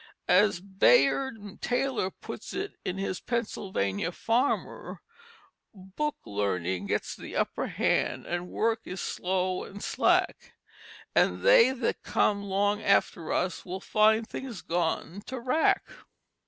As Bayard Taylor puts it in his Pennsylvania Farmer: "Book learning gets the upper hand and work is slow and slack, And they that come long after us will find things gone to wrack."